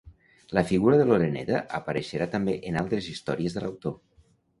La figura de l'oreneta apareixerà també en altres històries de l'autor.